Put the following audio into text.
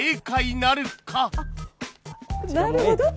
なるほど！